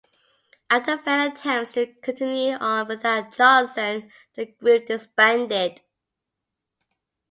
After failed attempts to continue on without Johnson, the group disbanded.